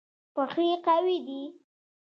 پښې قوي دي.